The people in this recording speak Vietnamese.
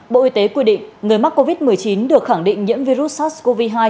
bộ y tế quy định người mắc covid một mươi chín được khẳng định nhiễm virus sars cov hai